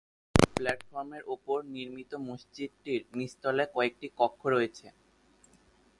প্লাটফর্মের উপর নির্মিত মসজিদটির নিচতলায় কয়েকটি কক্ষ রয়েছে।